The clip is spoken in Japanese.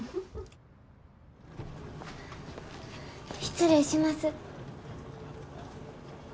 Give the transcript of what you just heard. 失礼します。